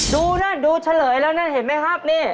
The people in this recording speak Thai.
ดูนั่นดูเฉลยแล้วนั่นเห็นไหมครับนี่